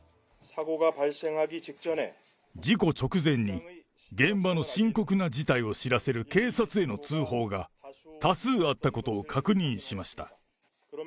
事故直前に、現場の深刻な事態を知らせる警察への通報が、多数あったことを確認しました。